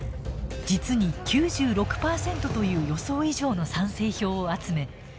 実に９６％という予想以上の賛成票を集め